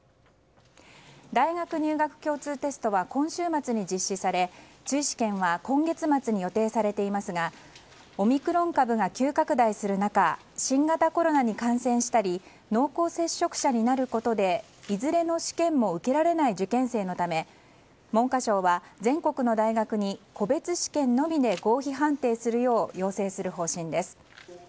大学入学共通テストは今週末に実施され追試験は今月末に予定されていますがオミクロン株が急拡大する中新型コロナに感染したり濃厚接触者になることでいずれの試験も受けられない受験生のため文科省は全国の大学に個別試験のみで合否判定するよう要請する方針です。